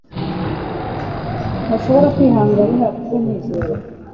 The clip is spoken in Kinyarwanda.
Ntushobora kwihanganira kutanyizera